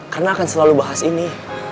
karena akan selalu bahas ini